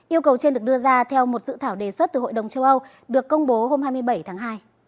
yêu cầu trên được đưa ra theo một dự thảo đề xuất từ hội đồng châu âu được công bố hôm hai mươi bảy tháng hai